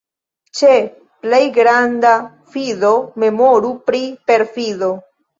Ĉe plej granda fido memoru pri perfido.